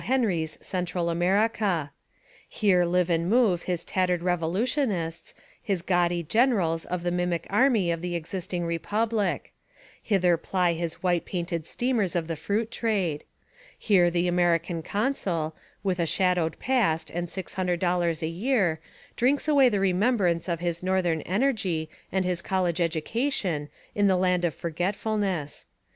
Henry's Central Amer ica. Here live and move his tattered revolu tionists, his gaudy generals of the mimic army of the existing republic; hither ply his white painted steamers of the fruit trade; here the American consul, with a shadowed past and $600 a year, drinks away the remembrance of his northern energy and his college education in the land of forgetfulness.